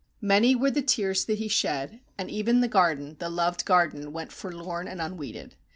Many were the tears that he shed, and even the garden, the loved garden, went forlorn and unweeded.